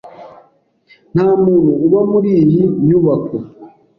Nta muntu uba muri iyi nyubako.